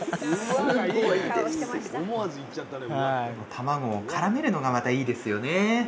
卵をからめるのがまたいいですよね。